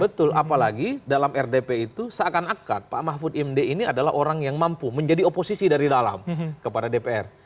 betul apalagi dalam rdp itu seakan akan pak mahfud md ini adalah orang yang mampu menjadi oposisi dari dalam kepada dpr